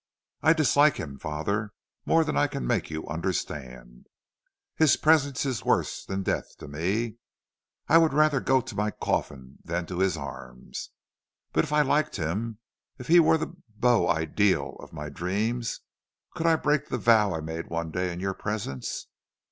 I dislike him, father, more than I can make you understand. His presence is worse than death to me; I would rather go to my coffin than to his arms. But if I liked him, if he were the beau ideal of my dreams, could I break the vow I made one day in your presence?